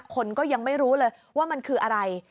คนก็ยังไม่รู้เลยว่ามันคืออะไร